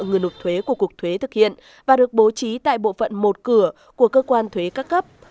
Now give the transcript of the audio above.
người nộp thuế của cuộc thuế thực hiện và được bố trí tại bộ phận một cửa của cơ quan thuế các cấp